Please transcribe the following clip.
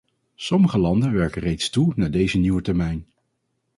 Sommige landen werken reeds toe naar deze nieuwe termijn.